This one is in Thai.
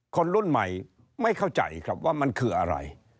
คนรุ่นใหม่ไม่เข้าใจครับว่ามันคืออะไร